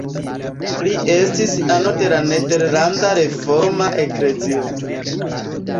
Li estis ano de la Nederlanda Reforma Eklezio.